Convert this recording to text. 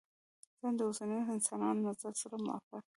ځان د اوسنيو انسانانو نظر سره موافق کړي.